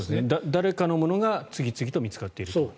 誰かのものが次々と見つかっていると。